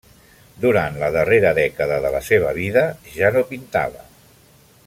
Durant la darrera dècada de la seva vida ja no pintava.